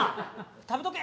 「食べとけ！」